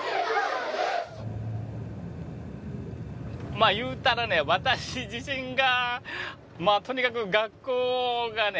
まあ言うたらね私自身がまあとにかく学校がね